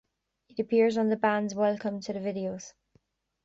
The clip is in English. It appears on the band's "Welcome to the Videos".